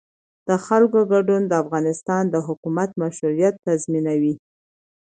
د خلکو ګډون د افغانستان د حکومت مشروعیت تضمینوي